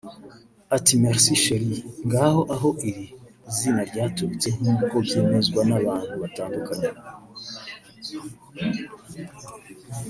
iti“Merci Cheri” ngaho aho iri zina ryaturutse nk’uko byemezwa n’abantu batandukanye